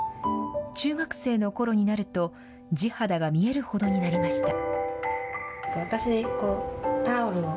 中学生のころになると、地肌が見えるほどになりました。